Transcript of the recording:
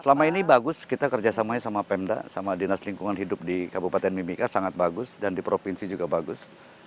selama ini bagus kita kerjasamanya sama pemda sama dinas lingkungan hidup di kabupaten mimika sangat bagus dan di provinsi juga bagus